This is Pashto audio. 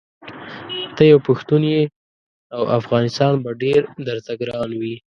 ته یو پښتون یې او افغانستان به ډېر درته ګران وي.